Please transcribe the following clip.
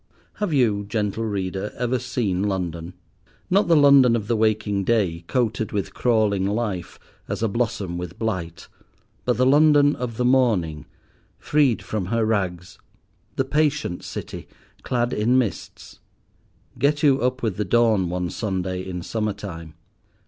Have you, gentle Reader, ever seen London—not the London of the waking day, coated with crawling life, as a blossom with blight, but the London of the morning, freed from her rags, the patient city, clad in mists? Get you up with the dawn one Sunday in summer time.